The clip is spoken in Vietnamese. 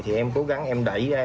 thì em cố gắng em đẩy ra